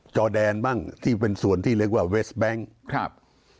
จอแดนบ้างที่เป็นส่วนที่เรียกว่าเวสแบงค์ครับ